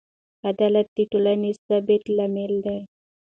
عدالت د ټولنیز ثبات لامل دی.